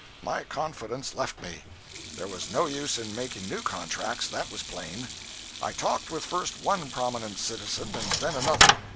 My confidence left me. There was no use in making new contracts—that was plain. I talked with first one prominent citizen and then another.